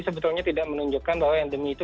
sebetulnya tidak menunjukkan bahwa endemi itu